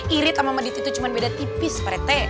irit sama medit itu cuma beda tipis parete